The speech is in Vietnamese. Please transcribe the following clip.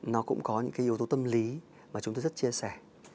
nó cũng có những cái yếu tố tâm lý mà chúng tôi rất chia sẻ